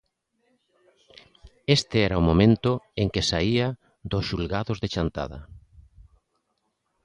Este era o momento en que saia dos xulgados de Chantada.